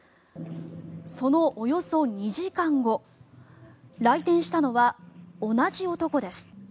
そのおよそ２時間後来店したのは同じ男です。